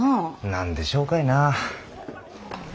何でしょうかいな。